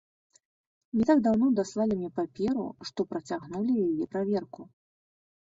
Не так даўно даслалі мне паперу, што працягнулі яе праверку.